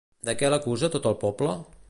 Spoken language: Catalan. De què l'acusa tot el poble?